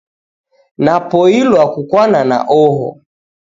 Napoilwa kukwana na oho